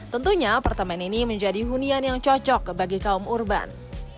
tentunya apartemen ini menjadi hunian yang cocok bagi kaum urban